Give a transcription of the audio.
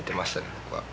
僕は。